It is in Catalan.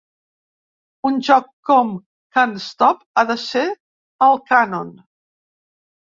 Un joc com Can't Stop ha de ser al cànon!